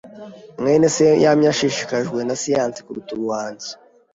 mwene se yamye ashishikajwe na siyansi kuruta ubuhanzi.